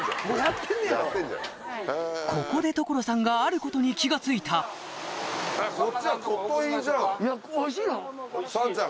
ここで所さんがあることに気が付いた何が？